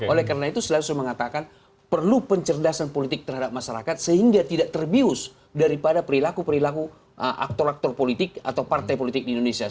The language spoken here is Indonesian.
oleh karena itu selalu saya mengatakan perlu pencerdasan politik terhadap masyarakat sehingga tidak terbius daripada perilaku perilaku aktor aktor politik atau partai politik di indonesia